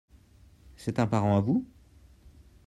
C'est un parent à vous ?